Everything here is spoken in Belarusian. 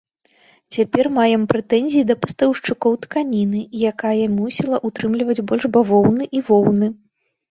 Цяпер маем прэтэнзіі да пастаўшчыкоў тканіны, якая мусіла утрымліваць больш бавоўны і воўны.